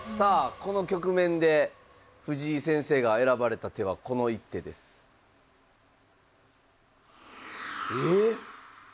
この局面で藤井先生が選ばれた手はこの一手です。ええ！？